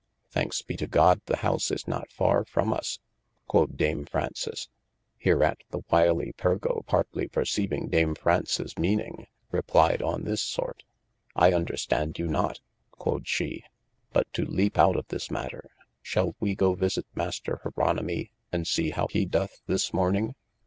Thanks be to God the house is not farre from us (quod Dame Fraunces.) Here at the wylie Pergo partly perceyving Dame Fraunces meaning, replyed on this sort : I understand you not (quod she) but to leap out of this matter, shall wee goe visit Maister jeronimy and see how he doth this morning.